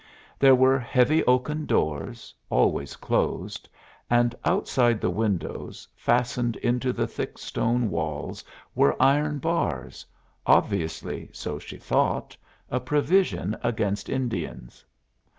There were heavy oaken doors, always closed, and outside the windows, fastened into the thick stone walls, were iron bars, obviously (so she thought) a provision against Indians.